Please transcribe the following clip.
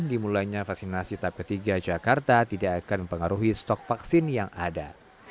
dimulainya vaksinasi tahap ketiga jakarta tidak akan mempengaruhi stok vaksin yang ada